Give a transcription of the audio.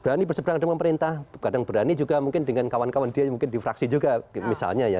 berani berseberangan dengan pemerintah kadang berani juga mungkin dengan kawan kawan dia mungkin di fraksi juga misalnya ya